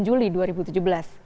juli dua ribu tujuh belas